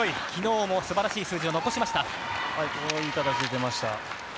昨日もすばらしい数字を残しました。